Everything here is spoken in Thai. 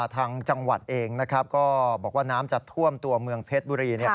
ทางจังหวัดเองก็บอกว่าน้ำจะท่วมตัวเมืองเพชรบุรี